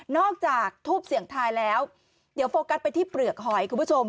จากทูบเสี่ยงทายแล้วเดี๋ยวโฟกัสไปที่เปลือกหอยคุณผู้ชม